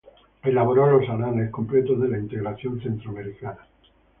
Elaboró los Anales completos de la Integración Centroamericana.